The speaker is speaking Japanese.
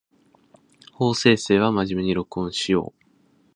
法政生は真面目に録音しよう